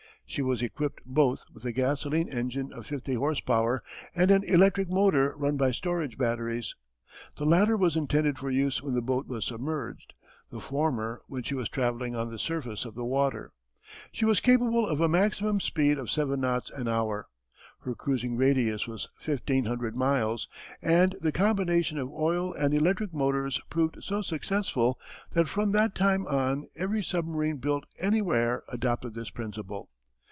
She was equipped both with a gasoline engine of fifty horse power and an electric motor run by storage batteries. The latter was intended for use when the boat was submerged, the former when she was travelling on the surface of the water. She was capable of a maximum speed of seven knots an hour. Her cruising radius was 1500 miles and the combination of oil and electric motors proved so successful that from that time on every submarine built anywhere adopted this principle.